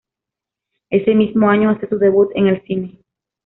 Ese mismo año hace su debut en el cine.